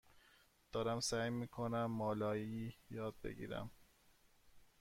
دارم سعی می کنم مالایی یاد بگیرم.